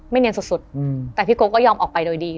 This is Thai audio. เนียนสุดแต่พี่โก๊ก็ยอมออกไปโดยดี